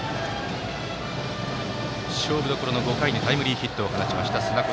勝負どころの５回にタイムリーヒットを打ちました。